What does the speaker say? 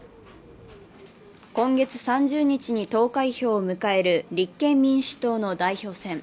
今月３０日に投開票を迎える立憲民主党の代表戦。